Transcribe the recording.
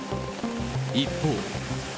一方。